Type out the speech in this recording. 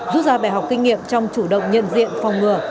rút ra bài học kinh nghiệm trong chủ động nhận diện phòng ngừa